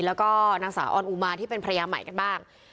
แล้วก็นางสาวออนอุมาที่เป็นภรรยาใหม่กันบ้าง